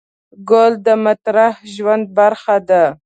ګل د معطر ژوند برخه ده.